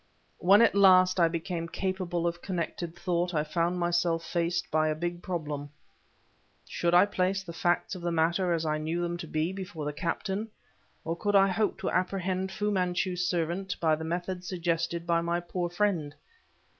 When at last I became capable of connected thought, I found myself faced by a big problem. Should I place the facts of the matter, as I knew them to be, before the captain? or could I hope to apprehend Fu Manchu's servant by the methods suggested by my poor friend?